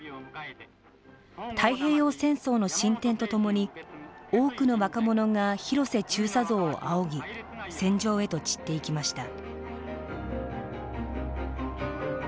太平洋戦争の進展とともに多くの若者が広瀬中佐像を仰ぎ戦場へと散っていきました。